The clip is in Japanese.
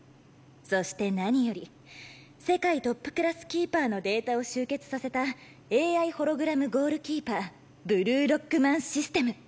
そして何より世界トップクラスキーパーのデータを集結させたＡＩホログラムゴールキーパーブルーロックマンシステム。